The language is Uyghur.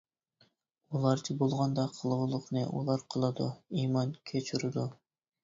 ئۇلارچە بولغاندا، قىلغۇلۇقنى ئۇلار قىلىدۇ، ئىمان كەچۈرىدۇ.